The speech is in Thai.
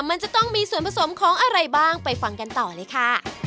มันจะต้องมีส่วนผสมของอะไรบ้างไปฟังกันต่อเลยค่ะ